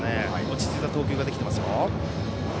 落ち着いた投球ができていますよ。